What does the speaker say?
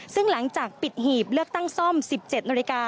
ซึ่งหลังจากปิดหีบเลือกตั้งซ่อม๑๗นาฬิกา